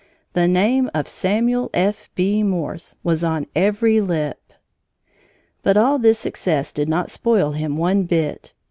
The name of Samuel F. B. Morse was on every lip. But all this success did not spoil him one bit.